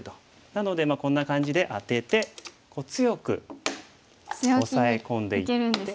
なのでこんな感じでアテて強くオサエ込んでいって。